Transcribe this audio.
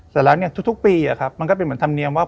เสร็จแล้วทุกปีมันก็เป็นเหมือนธรรมเนียมว่า